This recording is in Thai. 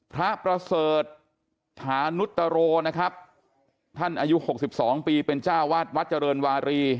พระประเสริฐถานุตโตรท่านอายุ๖๒ปีเป็นเจ้าวาดวัดเจริญวารี